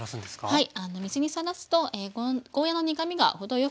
はい。